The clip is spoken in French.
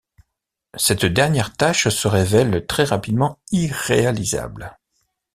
Cette dernière tâche se révèle très rapidement irréalisable.